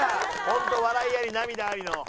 本当笑いあり涙ありの。